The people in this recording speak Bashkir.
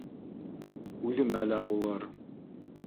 — Үҙемә лә булыр